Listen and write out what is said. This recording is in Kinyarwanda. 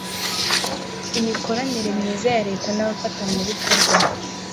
imikoranire myiza ya leta n'abafatanyabikorwa